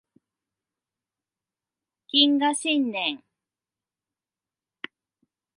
謹賀新年